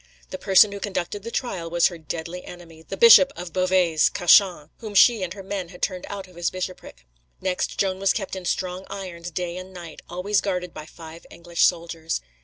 The person who conducted the trial was her deadly enemy, the Bishop of Beauvais, Cauchon, whom she and her men had turned out of his bishopric. Next, Joan was kept in strong irons day and night, always guarded by five English soldiers.